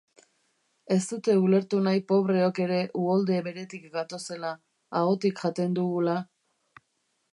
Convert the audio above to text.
Ez dute ulertu nahi pobreok ere uholde beretik gatozela, ahotik jaten dugula...